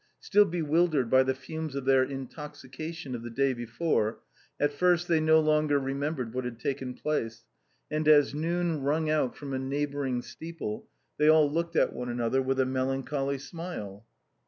Still bewildered by the fumes of their intoxication of the day before, at first they no longer remembered what had taken, place, and as noon rung out from a neighboring steeple, they all looked at one another with a melancholy smile.